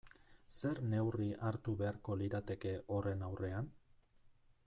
Zer neurri hartu beharko lirateke horren aurrean?